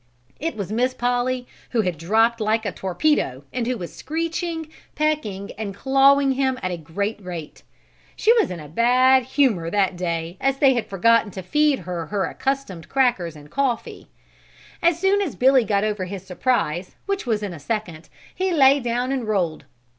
It was Miss Polly who had dropped like a torpedo and who was screeching, pecking and clawing him at a great rate. She was in a bad humor that day as they had forgotten to feed her her accustomed crackers and coffee. As soon as Billy got over his surprise, which was in a second, he lay down and rolled.